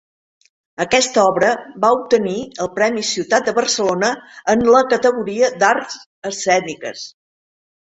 Aquesta obra va obtenir el Premi Ciutat de Barcelona en la categoria d'Arts Escèniques.